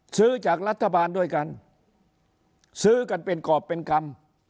ซื้อจากรัฐบาลด้วยกันซื้อกันเป็นกรอบเป็นกรรม